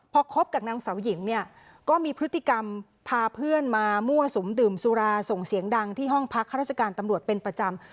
พอคบกับนางสาวหญิงเนี่ยก็มีพฤติกรรมพาเพื่อนมามั่วสุมดื่มสุราส่งเสียงดังที่ห้องพักข้าราชการตำรวจเป็นประจำ